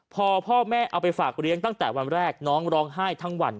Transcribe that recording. พอพ่อแม่เอาไปฝากเลี้ยงตั้งแต่วันแรกน้องร้องไห้ทั้งวัน